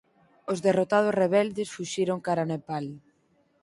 Os derrotados rebeldes fuxiron cara Nepal.